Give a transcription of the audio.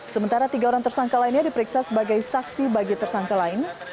sementara tiga orang tersangka lainnya diperiksa sebagai saksi bagi tersangka lain